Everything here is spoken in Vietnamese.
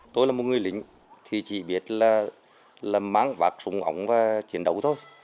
tôi là một người lính thì chỉ biết là mang vác súng ống và chiến đấu thôi